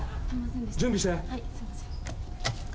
準備して。